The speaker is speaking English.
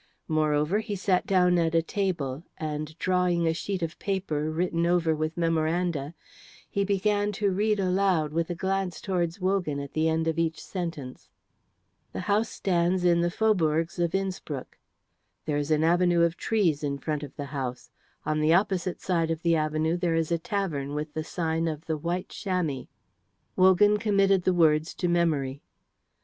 Moreover, he sat down at a table, and drawing a sheet of paper written over with memoranda, he began to read aloud with a glance towards Wogan at the end of each sentence. "The house stands in the faubourgs of Innspruck. There is an avenue of trees in front of the house; on the opposite side of the avenue there is a tavern with the sign of 'The White Chamois.'" Wogan committed the words to memory.